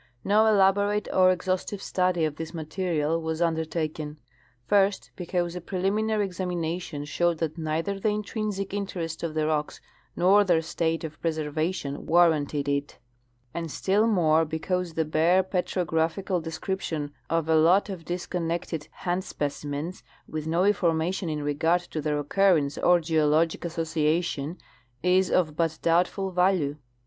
No elaborate or exhaustive study of this material was under taken: first, because a preliminary examination showed that neither the intrinsic interest of the rocks nor their state of preser vation warranted it ; and still more because the bare petrograph ical description of a lot of disconnected hand specimens, with no information in regard to their occurrence or geologic associa tion, is of but doubtful value.